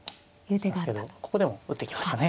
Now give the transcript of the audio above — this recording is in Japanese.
ですけどここでも打ってきましたね。